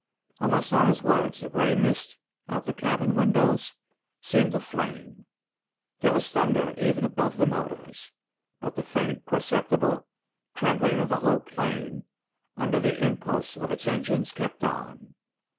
Almost on his words the gray mist out the cabin windows seemed to flame. There was thunder even above the motors. But the faint, perceptible trembling of the whole plane under the impulse of its engines kept on.